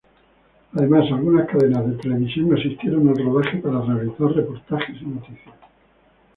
Además, algunas cadenas de televisión asistieron al rodaje para realizar reportajes y noticias.